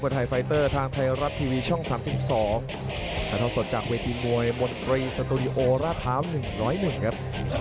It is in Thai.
ทะเต้าสดจากเวทีมวยบนตรีสตูดิโอรากเท้า๑๐๑ครับ